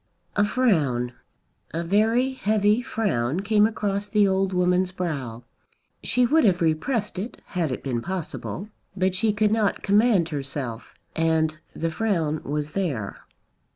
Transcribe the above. A frown, a very heavy frown, came across the old woman's brow. She would have repressed it had it been possible; but she could not command herself, and the frown was there.